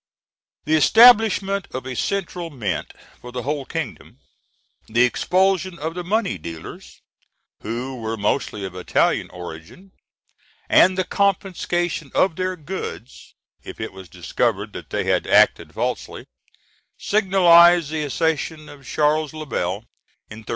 ] The establishment of a central mint for the whole kingdom, the expulsion of the money dealers, who were mostly of Italian origin, and the confiscation of their goods if it was discovered that they had acted falsely, signalised the accession of Charles le Bel in 1332.